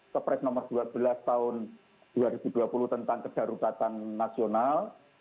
kepres nomor dua belas tahun dua ribu dua puluh tentang kedaruratan nasional